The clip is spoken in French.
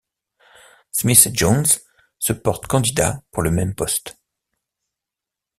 Smith et Jones se portent candidats pour le même poste.